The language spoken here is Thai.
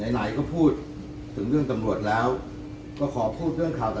ไหนก็พูดถึงเรื่องตำรวจแล้วก็ขอพูดเรื่องข่าว